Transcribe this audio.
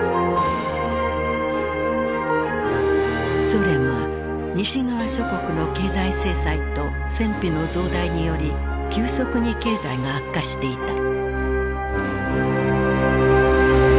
ソ連は西側諸国の経済制裁と戦費の増大により急速に経済が悪化していた。